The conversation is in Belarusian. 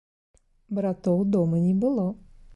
Братоў дома не было.